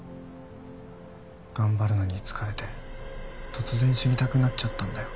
頑張るのに疲れて突然死にたくなっちゃったんだよ。